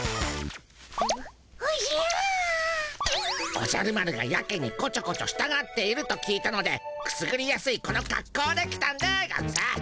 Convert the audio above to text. おじゃる丸がやけにこちょこちょしたがっていると聞いたのでくすぐりやすいこのかっこうで来たんでゴンス。